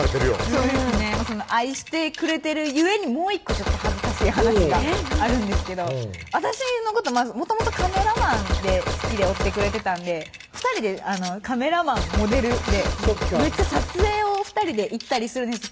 そうですね愛してくれてるゆえにもう１個恥ずかしい話があるんですけど私のこともともとカメラマンで好きでおってくれてたんで２人でカメラマン・モデルでめっちゃ撮影を２人で行ったりするんです